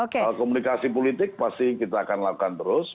komunikasi politik pasti kita akan lakukan terus